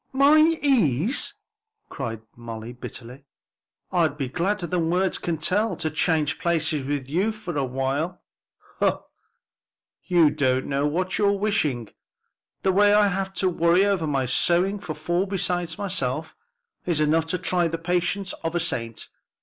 "My ease!" cried Molly bitterly, "I'd be gladder than words can tell to change places with you for awhile." "Humph! you don't know what you're wishing; the way I have to worry over my sewing for four besides myself, is enough to try the patience of a saint.